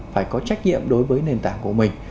phải có trách nhiệm đối với nền tảng của mình